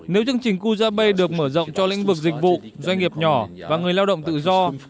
nếu chương trình cuzab được mở rộng cho lĩnh vực dịch vụ doanh nghiệp nhỏ và người lao động tự do